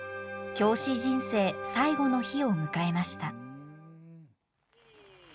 教師人生最後の日を迎えました。